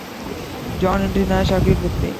John Henry Nash agreed with me.